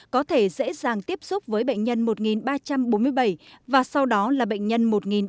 có thể dễ dàng tiếp xúc với bệnh nhân một ba trăm bốn mươi bảy và sau đó là bệnh nhân một ba trăm bốn mươi bảy